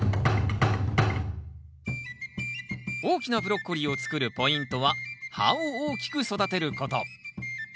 大きなブロッコリーを作るポイントは葉を大きく育てること。